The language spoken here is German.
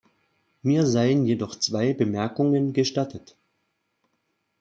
Mir seien jedoch zwei Bemerkungen gestattet.